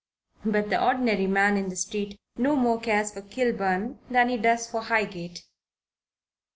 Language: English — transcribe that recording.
But the ordinary man in the street no more cares for Kilburn than he does for Highgate.